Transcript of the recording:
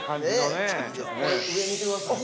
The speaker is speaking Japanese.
◆上見てください。